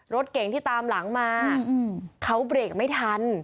รถเก่งที่ตามหลังมาเขาเบรกไม่ทัน